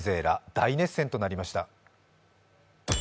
大熱戦となりました。